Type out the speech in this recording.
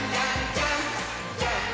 ジャンプ！！」